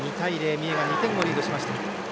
三重が２点をリードしました。